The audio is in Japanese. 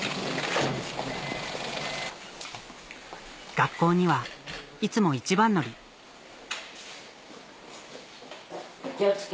学校にはいつも一番乗り気を付け